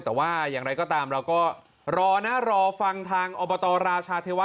แต่ว่าอย่างไรก็ตามเราก็รอนะรอฟังทางอบตราชาเทวะ